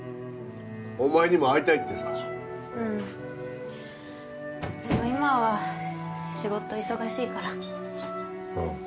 お前にも会いたいってさうんでも今は仕事忙しいからああ